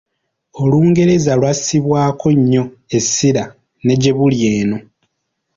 Olungereza lwassibwako nnyo essira ne gye buli eno.